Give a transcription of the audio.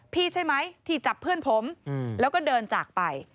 ใช่ไหมที่จับเพื่อนผมแล้วก็เดินจากไป